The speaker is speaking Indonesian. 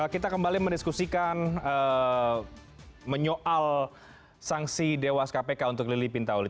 kita kembali mendiskusikan menyoal sanksi dewas kpk untuk lili pintauli